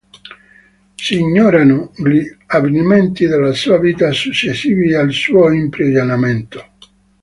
Si ignorano gli avvenimenti della sua vita successivi al suo imprigionamento.